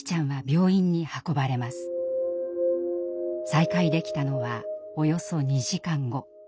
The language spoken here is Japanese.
再会できたのはおよそ２時間後。